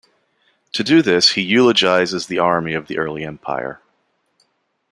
To do this, he eulogises the army of the early Empire.